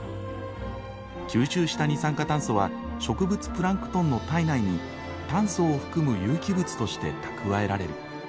吸収した二酸化炭素は植物プランクトンの体内に炭素を含む有機物として蓄えられる。